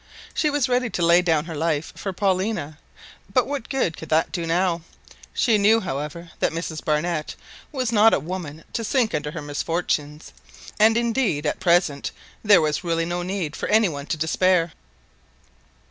She was ready to lay down her life for "Paulina," but what good could that do now. She knew, however, that Mrs Barnett was not a woman to sink under her misfortunes, and indeed at present there was really no need for any one to despair.